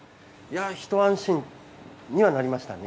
一安心にはなりましたね。